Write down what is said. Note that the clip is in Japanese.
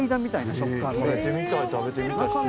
食べてみたい食べてみたい。